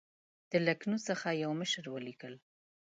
د لکنهو څخه یوه مشر ولیکل.